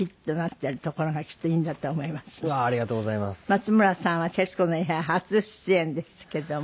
松村さんは『徹子の部屋』初出演ですけども。